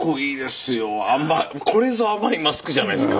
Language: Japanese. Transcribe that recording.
これぞ甘いマスクじゃないですか？